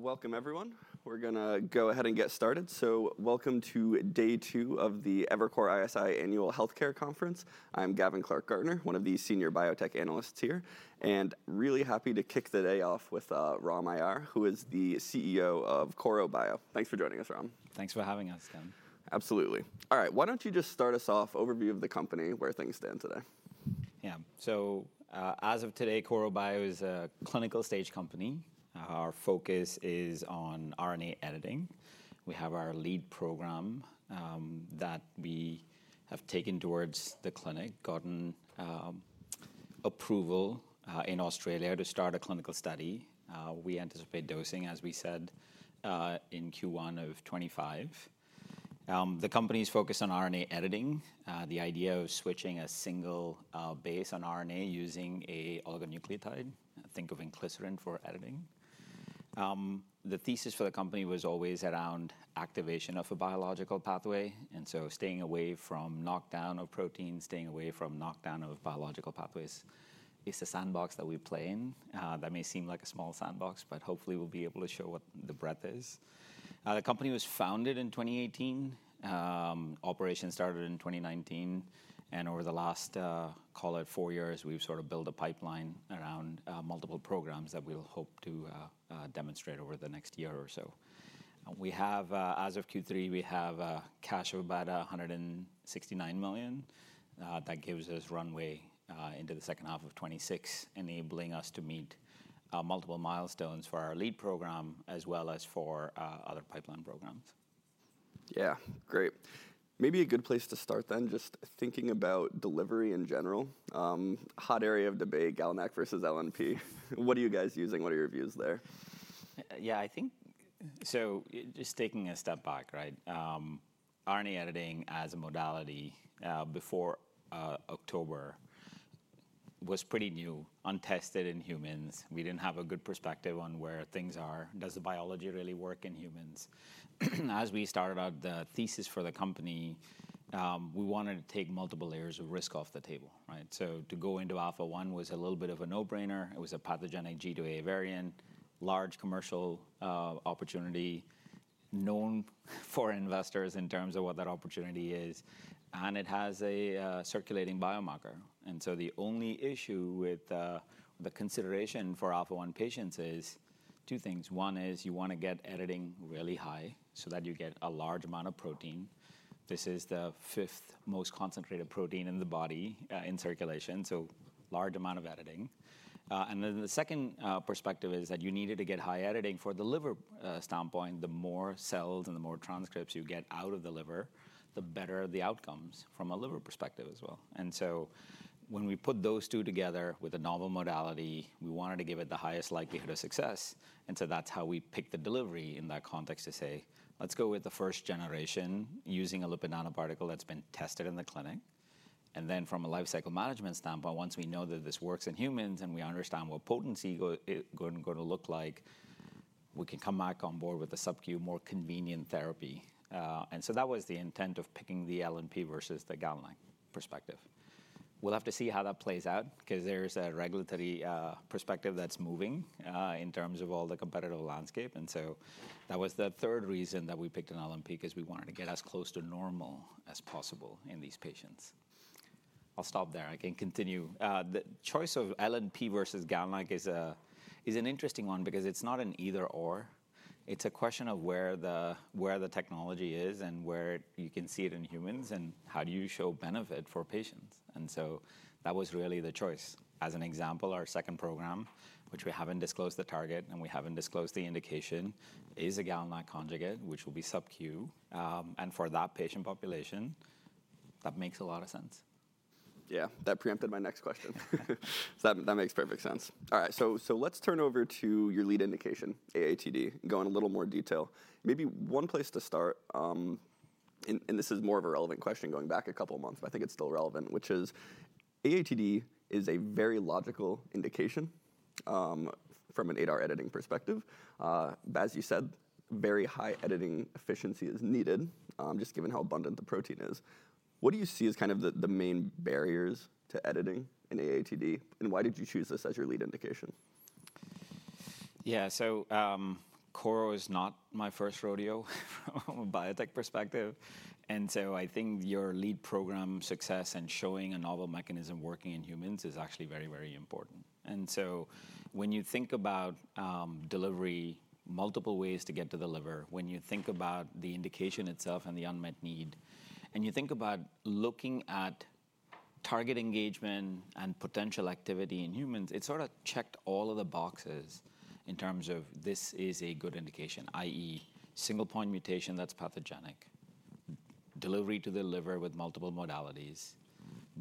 Welcome, everyone. We're going to go ahead and get started. So welcome to day two of the Evercore ISI Annual Healthcare Conference. I'm Gavin Clark-Gartner, one of the senior biotech analysts here, and really happy to kick the day off with Ram Aiyar, who is the CEO of Korro Bio. Thanks for joining us, Ram. Thanks for having us, Gavin. Absolutely. All right, why don't you just start us off, overview of the company, where things stand today? Yeah, so as of today, Korro Bio is a clinical stage company. Our focus is on RNA editing. We have our lead program that we have taken towards the clinic, gotten approval in Australia to start a clinical study. We anticipate dosing, as we said, in Q1 of 2025. The company is focused on RNA editing, the idea of switching a single base on RNA using an oligonucleotide, think of Inclisiran for editing. The thesis for the company was always around activation of a biological pathway, and so staying away from knockdown of proteins, staying away from knockdown of biological pathways. It's a sandbox that we play in. That may seem like a small sandbox, but hopefully we'll be able to show what the breadth is. The company was founded in 2018. Operation started in 2019, and over the last, call it, four years, we've sort of built a pipeline around multiple programs that we'll hope to demonstrate over the next year or so. As of Q3, we have cash of about $169 million. That gives us runway into the second half of 2026, enabling us to meet multiple milestones for our lead program as well as for other pipeline programs. Yeah, great. Maybe a good place to start then, just thinking about delivery in general. Hot area of debate, GalNAc versus LNP. What are you guys using? What are your views there? Yeah, I think, so just taking a step back, right? RNA editing as a modality before October was pretty new, untested in humans. We didn't have a good perspective on where things are. Does the biology really work in humans? As we started out the thesis for the company, we wanted to take multiple layers of risk off the table, right, so to go into Alpha-1 was a little bit of a no-brainer. It was a pathogenic G-to-A variant, large commercial opportunity, known for investors in terms of what that opportunity is, and it has a circulating biomarker, and so the only issue with the consideration for Alpha-1 patients is two things. One is you want to get editing really high so that you get a large amount of protein. This is the fifth most concentrated protein in the body in circulation, so large amount of editing. And then the second perspective is that you needed to get high editing. From the liver standpoint, the more cells and the more transcripts you get out of the liver, the better the outcomes from a liver perspective as well. And so when we put those two together with a novel modality, we wanted to give it the highest likelihood of success. And so that's how we picked the delivery in that context to say, let's go with the first generation using a lipid nanoparticle that's been tested in the clinic. And then from a lifecycle management standpoint, once we know that this works in humans and we understand what potency is going to look like, we can come back on board with a sub-Q more convenient therapy. And so that was the intent of picking the LNP versus the GalNAc perspective. We'll have to see how that plays out because there's a regulatory perspective that's moving in terms of all the competitive landscape. And so that was the third reason that we picked an LNP because we wanted to get as close to normal as possible in these patients. I'll stop there. I can continue. The choice of LNP versus GalNAc is an interesting one because it's not an either/or. It's a question of where the technology is and where you can see it in humans and how do you show benefit for patients. And so that was really the choice. As an example, our second program, which we haven't disclosed the target and we haven't disclosed the indication, is a GalNAc conjugate, which will be sub-Q. And for that patient population, that makes a lot of sense. Yeah, that preempted my next question. That makes perfect sense. All right, so let's turn over to your lead indication, AATD, and go in a little more detail. Maybe one place to start, and this is more of a relevant question going back a couple of months, but I think it's still relevant, which is AATD is a very logical indication from an ADAR editing perspective. But as you said, very high editing efficiency is needed just given how abundant the protein is. What do you see as kind of the main barriers to editing in AATD, and why did you choose this as your lead indication? Yeah, so Korro is not my first rodeo from a biotech perspective. And so I think your lead program success and showing a novel mechanism working in humans is actually very, very important. And so when you think about delivery, multiple ways to get to the liver, when you think about the indication itself and the unmet need, and you think about looking at target engagement and potential activity in humans, it sort of checked all of the boxes in terms of this is a good indication, i.e., single point mutation that's pathogenic, delivery to the liver with multiple modalities,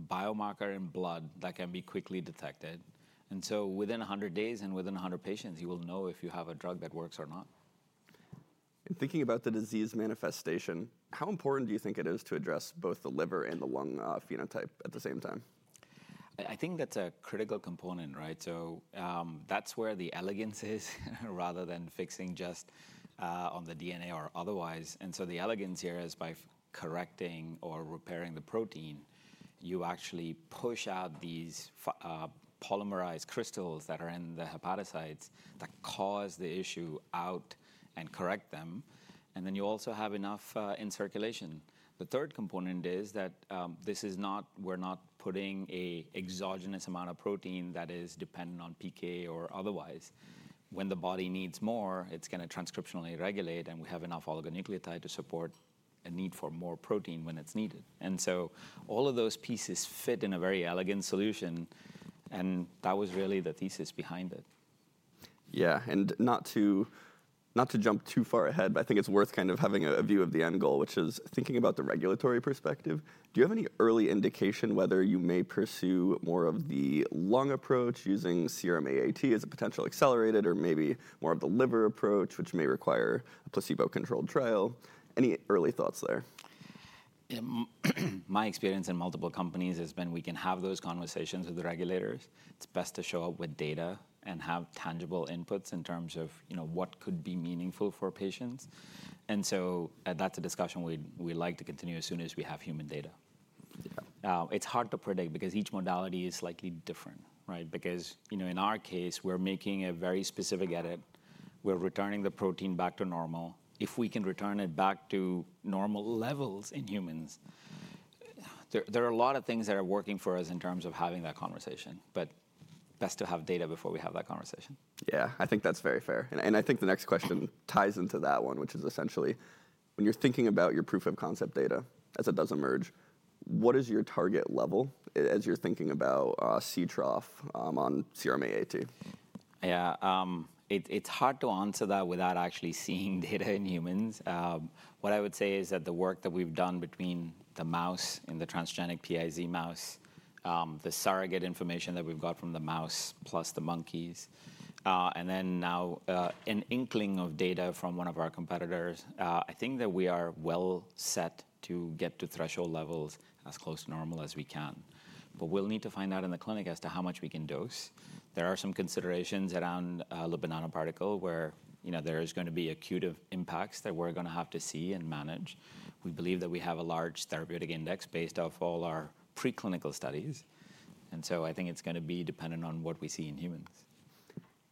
biomarker in blood that can be quickly detected. And so within 100 days and within 100 patients, you will know if you have a drug that works or not. Thinking about the disease manifestation, how important do you think it is to address both the liver and the lung phenotype at the same time? I think that's a critical component, right? So that's where the elegance is rather than fixing just on the DNA or otherwise, and so the elegance here is by correcting or repairing the protein, you actually push out these polymerized crystals that are in the hepatocytes that cause the issue out and correct them, and then you also have enough in circulation. The third component is that this is not. We're not putting an exogenous amount of protein that is dependent on PK or otherwise. When the body needs more, it's going to transcriptionally regulate and we have enough oligonucleotide to support a need for more protein when it's needed, and so all of those pieces fit in a very elegant solution, and that was really the thesis behind it. Yeah, and not to jump too far ahead, but I think it's worth kind of having a view of the end goal, which is thinking about the regulatory perspective. Do you have any early indication whether you may pursue more of the lung approach using serum AAT as a potential accelerated or maybe more of the liver approach, which may require a placebo-controlled trial? Any early thoughts there? My experience in multiple companies has been we can have those conversations with the regulators. It's best to show up with data and have tangible inputs in terms of what could be meaningful for patients, and so that's a discussion we'd like to continue as soon as we have human data. It's hard to predict because each modality is slightly different, right? Because in our case, we're making a very specific edit. We're returning the protein back to normal. If we can return it back to normal levels in humans, there are a lot of things that are working for us in terms of having that conversation, but best to have data before we have that conversation. Yeah, I think that's very fair. And I think the next question ties into that one, which is essentially when you're thinking about your proof of concept data as it does emerge, what is your target level as you're thinking about steady trough on serum AAT? Yeah, it's hard to answer that without actually seeing data in humans. What I would say is that the work that we've done between the mouse in the transgenic PiZ mouse, the surrogate information that we've got from the mouse plus the monkeys, and then now an inkling of data from one of our competitors, I think that we are well set to get to threshold levels as close to normal as we can. But we'll need to find out in the clinic as to how much we can dose. There are some considerations around lipid nanoparticle where there is going to be acute impacts that we're going to have to see and manage. We believe that we have a large therapeutic index based off all our preclinical studies. And so I think it's going to be dependent on what we see in humans.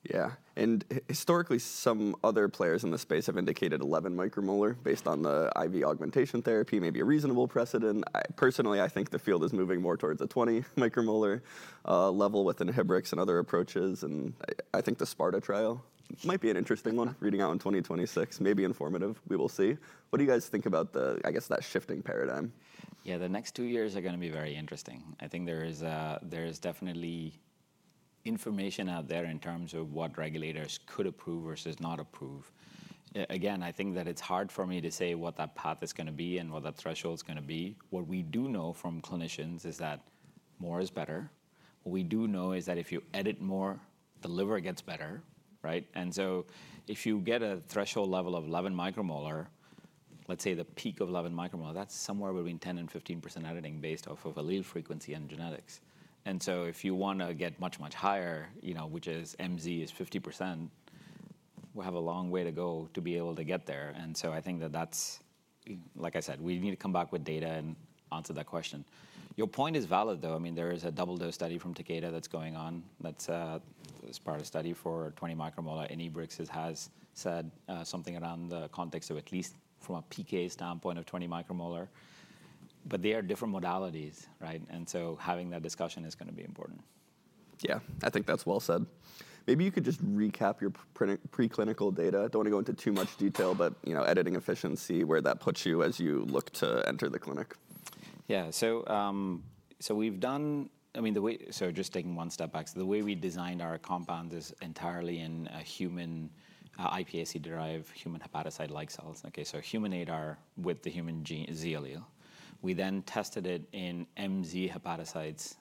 Yeah, and historically, some other players in the space have indicated 11 micromolar based on the IV augmentation therapy, maybe a reasonable precedent. Personally, I think the field is moving more towards a 20 micromolar level with inhibitors and other approaches. And I think the SPARTA trial might be an interesting one reading out in 2026, maybe informative. We will see. What do you guys think about the, I guess, that shifting paradigm? Yeah, the next two years are going to be very interesting. I think there is definitely information out there in terms of what regulators could approve versus not approve. Again, I think that it's hard for me to say what that path is going to be and what that threshold is going to be. What we do know from clinicians is that more is better. What we do know is that if you edit more, the liver gets better, right? And so if you get a threshold level of 11 micromolar, let's say the peak of 11 micromolar, that's somewhere between 10%-15% editing based off of allele frequency and genetics. And so if you want to get much, much higher, which is MZ is 50%, we have a long way to go to be able to get there. I think that that's, like I said, we need to come back with data and answer that question. Your point is valid, though. I mean, there is a double-dose study from Takeda that's going on. That's a SPARTA study for 20 micromolar. Inhibrx has said something around the context of at least from a PK standpoint of 20 micromolar. But they are different modalities, right? Having that discussion is going to be important. Yeah, I think that's well said. Maybe you could just recap your preclinical data. Don't want to go into too much detail, but editing efficiency, where that puts you as you look to enter the clinic. Yeah, so we've done, I mean, so just taking one step back, so the way we designed our compound is entirely in human iPSC-derived human hepatocyte-like cells, okay? So human ADAR with the human Z allele. We then tested it in MZ hepatocytes.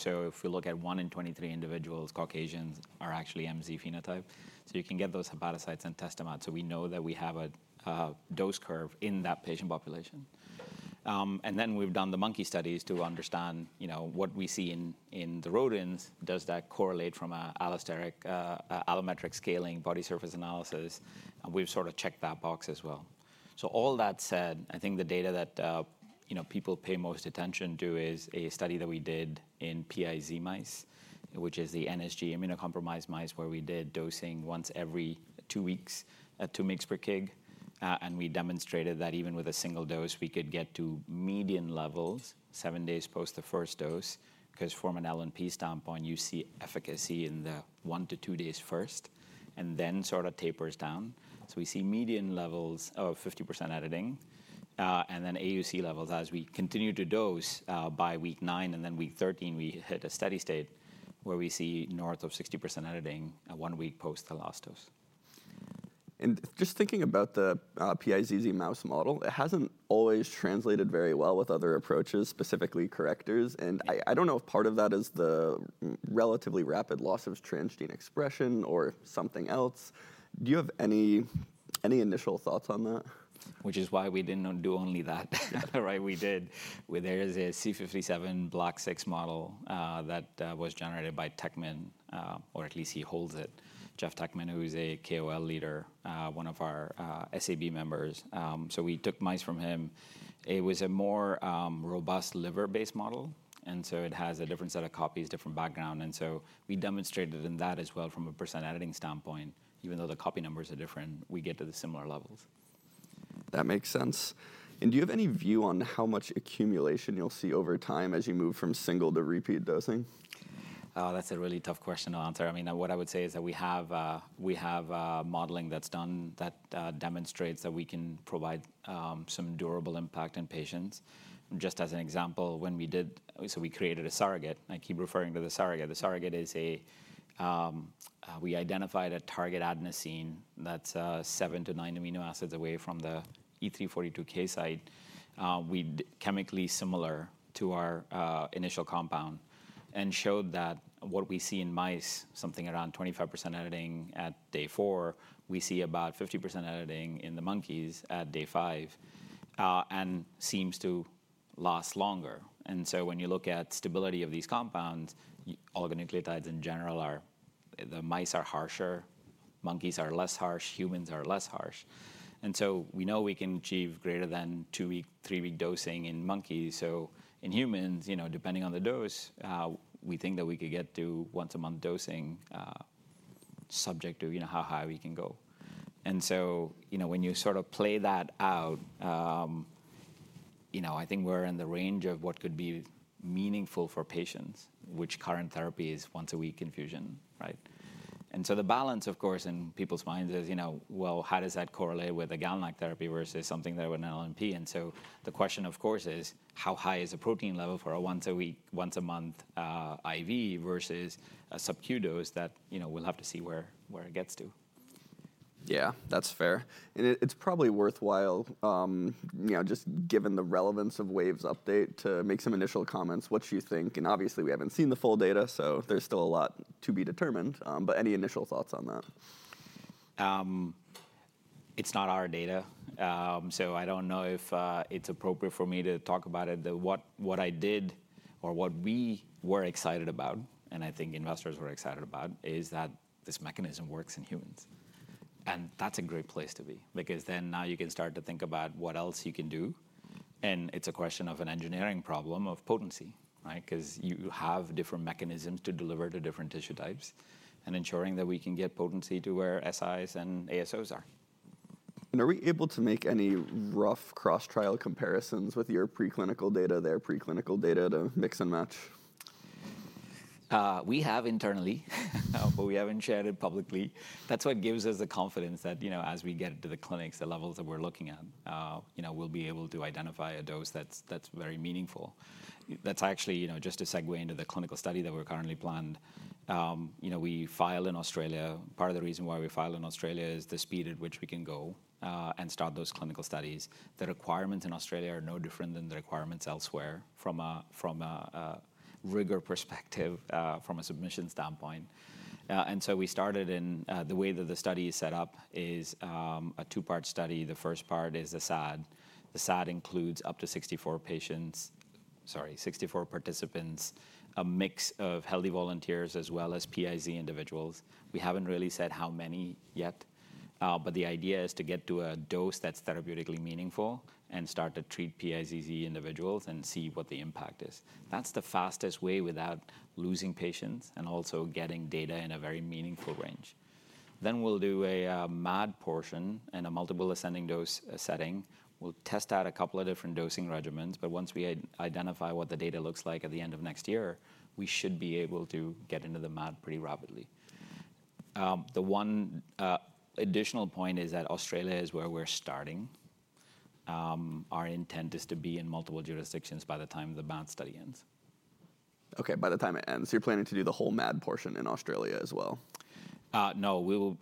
So if we look at one in 23 individuals, Caucasians are actually MZ phenotype. So you can get those hepatocytes and test them out. So we know that we have a dose curve in that patient population. And then we've done the monkey studies to understand what we see in the rodents. Does that correlate from an allometric scaling body surface analysis? And we've sort of checked that box as well. So all that said, I think the data that people pay most attention to is a study that we did in PiZ mice, which is the NSG immunocompromised mice where we did dosing once every two weeks at 2 mg per kg. And we demonstrated that even with a single dose, we could get to median levels seven days post the first dose because from an LNP standpoint, you see efficacy in the one to two days first and then sort of tapers down. So we see median levels of 50% editing and then AUC levels as we continue to dose by week nine. And then week 13, we hit a steady state where we see north of 60% editing one week post the last dose. Just thinking about the PiZZ mouse model, it hasn't always translated very well with other approaches, specifically correctors. I don't know if part of that is the relatively rapid loss of transgene expression or something else. Do you have any initial thoughts on that? Which is why we didn't do only that, right? We did. There is a C57BL/6 model that was generated by Teckman, or at least he holds it, Jeff Teckman, who's a KOL leader, one of our SAB members, so we took mice from him. It was a more robust liver-based model, and so it has a different set of copies, different background, and so we demonstrated in that as well from a % editing standpoint, even though the copy numbers are different, we get to the similar levels. That makes sense. And do you have any view on how much accumulation you'll see over time as you move from single to repeat dosing? Oh, that's a really tough question to answer. I mean, what I would say is that we have modeling that's done that demonstrates that we can provide some durable impact in patients. Just as an example, when we did, so we created a surrogate. I keep referring to the surrogate. The surrogate is, we identified a target adenosine that's seven to nine amino acids away from the E342K site. We chemically similar to our initial compound and showed that what we see in mice, something around 25% editing at day four, we see about 50% editing in the monkeys at day five and seems to last longer. And so when you look at stability of these compounds, oligonucleotides in general are, the mice are harsher, monkeys are less harsh, humans are less harsh. We know we can achieve greater than two-week, three-week dosing in monkeys. In humans, depending on the dose, we think that we could get to once a month dosing subject to how high we can go. When you sort of play that out, I think we're in the range of what could be meaningful for patients, which current therapy is once a week infusion, right? The balance, of course, in people's minds is, well, how does that correlate with a GalNAc therapy versus something that would be an LNP? The question, of course, is how high is the protein level for a once a week, once a month IV versus a subq dose that we'll have to see where it gets to. Yeah, that's fair. And it's probably worthwhile, just given the relevance of Wave's update, to make some initial comments. What do you think? And obviously, we haven't seen the full data, so there's still a lot to be determined. But any initial thoughts on that? It's not our data. So I don't know if it's appropriate for me to talk about it. What I did or what we were excited about, and I think investors were excited about, is that this mechanism works in humans. And that's a great place to be because then now you can start to think about what else you can do. And it's a question of an engineering problem of potency, right? Because you have different mechanisms to deliver to different tissue types and ensuring that we can get potency to where SIs and ASOs are. Are we able to make any rough cross-trial comparisons with your preclinical data, their preclinical data to mix and match? We have internally, but we haven't shared it publicly. That's what gives us the confidence that as we get to the clinics, the levels that we're looking at, we'll be able to identify a dose that's very meaningful. That's actually just a segue into the clinical study that we're currently planned. We file in Australia. Part of the reason why we file in Australia is the speed at which we can go and start those clinical studies. The requirements in Australia are no different than the requirements elsewhere from a rigor perspective, from a submission standpoint, and so the way that the study is set up is a two-part study. The first part is the SAD. The SAD includes up to 64 patients, sorry, 64 participants, a mix of healthy volunteers as well as PiZ individuals. We haven't really said how many yet, but the idea is to get to a dose that's therapeutically meaningful and start to treat PiZZ individuals and see what the impact is. That's the fastest way without losing patients and also getting data in a very meaningful range. Then we'll do a MAD portion and a multiple ascending dose setting. We'll test out a couple of different dosing regimens. But once we identify what the data looks like at the end of next year, we should be able to get into the MAD pretty rapidly. The one additional point is that Australia is where we're starting. Our intent is to be in multiple jurisdictions by the time the MAD study ends. Okay, by the time it ends, you're planning to do the whole MAD portion in Australia as well? No,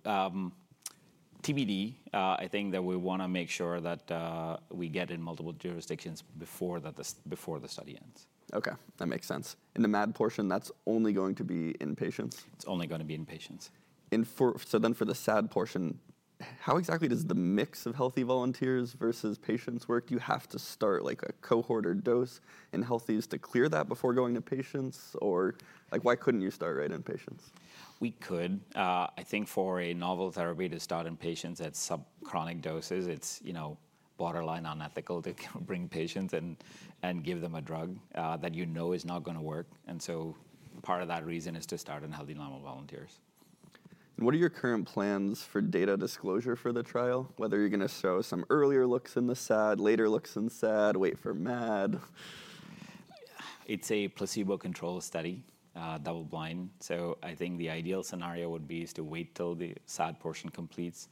TBD. I think that we want to make sure that we get in multiple jurisdictions before the study ends. Okay, that makes sense. In the MAD portion, that's only going to be in patients? It's only going to be in patients. So then for the SAD portion, how exactly does the mix of healthy volunteers versus patients work? Do you have to start like a cohort or dose in healthies to clear that before going to patients? Or why couldn't you start right in patients? We could. I think for a novel therapy to start in patients at sub-chronic doses, it's borderline unethical to bring patients and give them a drug that you know is not going to work, and so part of that reason is to start in healthy normal volunteers. What are your current plans for data disclosure for the trial? Whether you're going to show some earlier looks in the SAD, later looks in SAD, wait for MAD? It's a placebo-controlled study, double-blind. So I think the ideal scenario would be to wait till the SAD portion completes,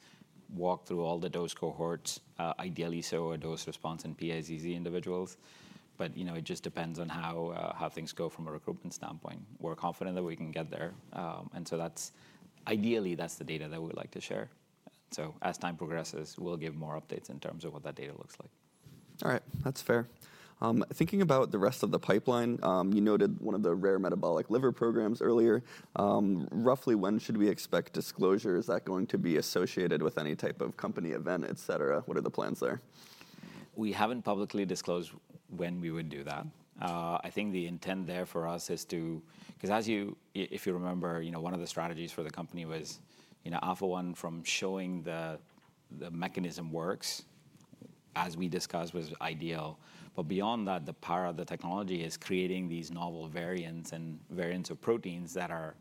walk through all the dose cohorts, ideally show a dose response in PiZZ individuals. But it just depends on how things go from a recruitment standpoint. We're confident that we can get there. And so ideally, that's the data that we'd like to share. So as time progresses, we'll give more updates in terms of what that data looks like. All right, that's fair. Thinking about the rest of the pipeline, you noted one of the rare metabolic liver programs earlier. Roughly when should we expect disclosure? Is that going to be associated with any type of company event, et cetera? What are the plans there? We haven't publicly disclosed when we would do that. I think the intent there for us is to, because if you remember, one of the strategies for the company was Alpha-1 from showing the mechanism works as we discussed was ideal. But beyond that, the power of the technology is creating these novel variants and variants of proteins that are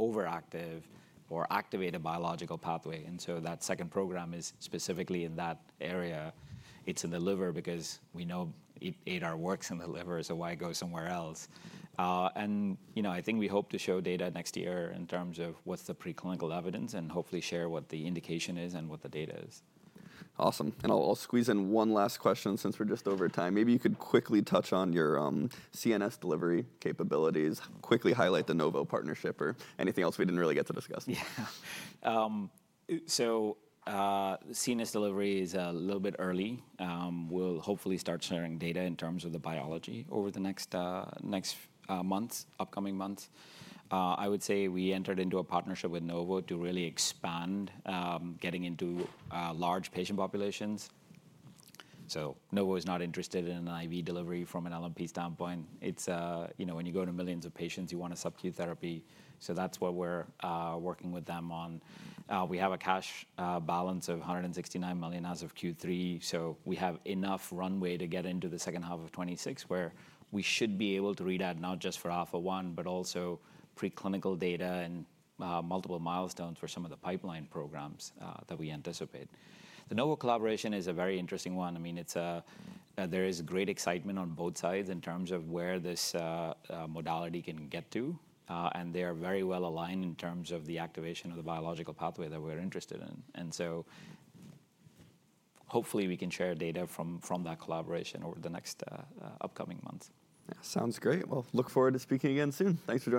overactive or activate a biological pathway. And so that second program is specifically in that area. It's in the liver because we know ADAR works in the liver, so why go somewhere else? And I think we hope to show data next year in terms of what's the preclinical evidence and hopefully share what the indication is and what the data is. Awesome. And I'll squeeze in one last question since we're just over time. Maybe you could quickly touch on your CNS delivery capabilities, quickly highlight the Novo partnership or anything else we didn't really get to discuss. Yeah. So CNS delivery is a little bit early. We'll hopefully start sharing data in terms of the biology over the next months, upcoming months. I would say we entered into a partnership with Novo to really expand getting into large patient populations. So Novo is not interested in an IV delivery from an LNP standpoint. When you go to millions of patients, you want a sub-Q therapy. So that's what we're working with them on. We have a cash balance of $169 million as of Q3. So we have enough runway to get into the second half of 2026 where we should be able to read out not just for Alpha-1, but also preclinical data and multiple milestones for some of the pipeline programs that we anticipate. The Novo collaboration is a very interesting one. I mean, there is great excitement on both sides in terms of where this modality can get to. And they are very well aligned in terms of the activation of the biological pathway that we're interested in. And so hopefully we can share data from that collaboration over the next upcoming months. Sounds great. Well, look forward to speaking again soon. Thanks for being.